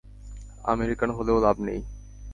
American হলেও লাভ নেই।